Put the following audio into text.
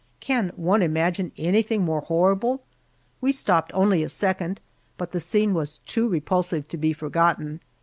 Can one imagine anything more horrible? We stopped only a second, but the scene was too repulsive to be forgotten.